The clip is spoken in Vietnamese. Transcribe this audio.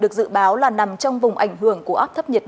được dự báo là nằm trong vùng ảnh hưởng của áp thấp nhiệt đới